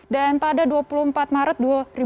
dan pada dua puluh empat maret dua ribu dua puluh